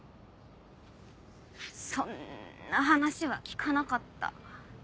そんな話は聞かなかった。